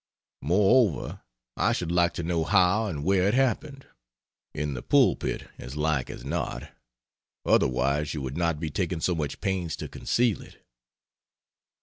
Moreover, I should like to know how and where it happened. In the pulpit, as like as not, otherwise you would not be taking so much pains to conceal it.